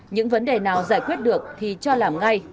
những vấn đề nào giải quyết được thì cho làm ngay